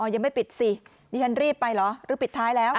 อ้อยังไม่ปิดสินี่การรีบไปหรือปิดท้ายแล้ว